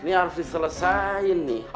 nih harus diselesain nih